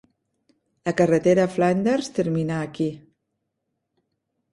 La carretera Flinders termina aquí.